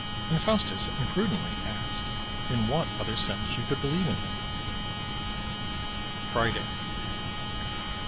And Faustus imprudently asked in what other sense you could believe in him. Friday.